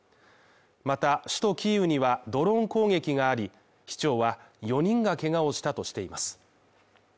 また、首都キーウにはドローン攻撃があり、市長は、４人がけがをしたとしています。